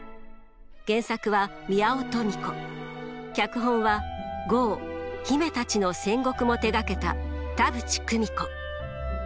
原作は宮尾登美子脚本は「江姫たちの戦国」も手がけた田渕久美子。